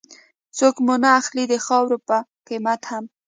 څوک مو نه اخلي د خاورو په قيمت هم